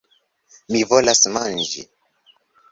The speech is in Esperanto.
Mi volas manĝi...